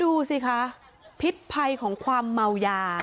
ดูสิคะพิษภัยของความเมายา